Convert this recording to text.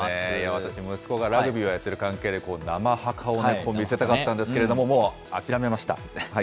私も息子がラグビーをやっている関係で、生ハカを見せたかったんですけれども、もう諦めました。